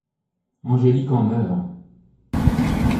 Angélique en meurt.